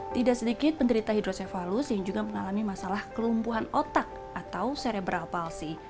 tidak sedikit penderita hidrosefalus yang juga mengalami masalah kelumpuhan otak atau serebral palsi